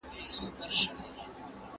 ¬ د انا اوگره ده په څکلو خلاصه سوه.